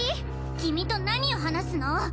キミと何を話すの？